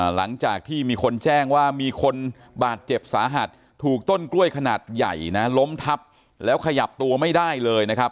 หลังจากที่มีคนแจ้งว่ามีคนบาดเจ็บสาหัสถูกต้นกล้วยขนาดใหญ่นะล้มทับแล้วขยับตัวไม่ได้เลยนะครับ